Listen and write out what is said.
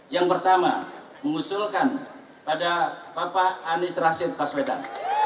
yang pertama mengusulkan pada bapak anies rashid baswedan